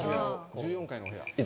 １４階のお部屋。